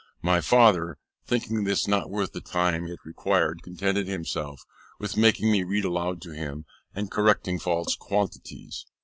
My father, thinking this not worth the time it required, contented himself with making me read aloud to him, and correcting false quantities.